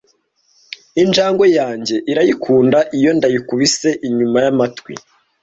Injangwe yanjye irayikunda iyo ndayikubise inyuma yamatwi.